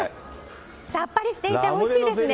さっぱりしていておいしいですね。